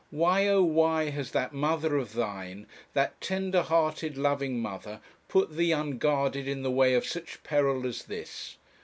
why, oh why, has that mother of thine, that tender hearted loving mother, put thee unguarded in the way of such peril as this?